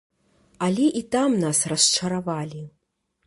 Але і там нас расчаравалі.